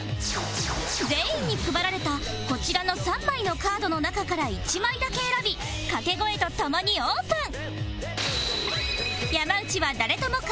全員に配られたこちらの３枚のカードの中から１枚だけ選び掛け声と共にオープン